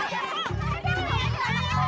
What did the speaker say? aduh di mana